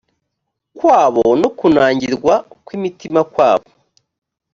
kwabo no kunangirwa kw imitima kwabo